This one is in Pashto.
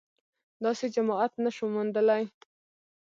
داسې جماعت نه شو موندلای